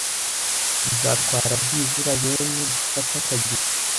Bizatwara byibura yen gufata tagisi.